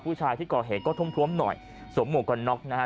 ผู้ชายที่ก่อเหตุก็ทุ่มท้วมหน่อยสวมหมวกกันน็อกนะฮะ